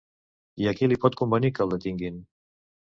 I a qui li pot convenir, que el detinguin?